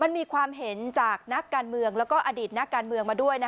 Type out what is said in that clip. มันมีความเห็นจากนักการเมืองแล้วก็อดีตนักการเมืองมาด้วย